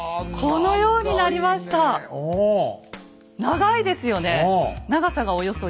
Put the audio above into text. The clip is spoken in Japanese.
長いですよね！